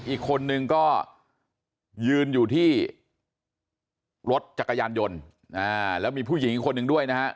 อีกคนนึงก็ยืนอยู่ที่รถจักรยานยนต์แล้วมีผู้หญิงคนหนึ่งด้วยนะฮะ